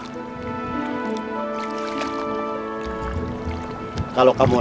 dan mereka akan kita jual